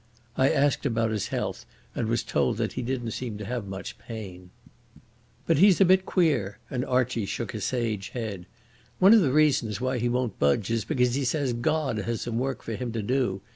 I asked about his health, and was told that he didn't seem to have much pain. "But he's a bit queer," and Archie shook a sage head. "One of the reasons why he won't budge is because he says God has some work for him to do.